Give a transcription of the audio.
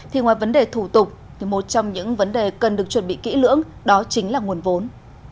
thì ngoài vấn đề thủ tục thì một trong những vấn đề cần được chuẩn bị kỹ lưỡng đó chính là nguồn vốn